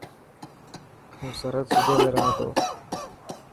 هون سرهد صوبي ۾ رها تو.